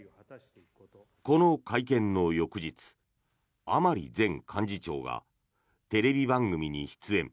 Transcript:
この会見の翌日甘利前幹事長がテレビ番組に出演。